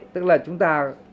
tức là chúng ta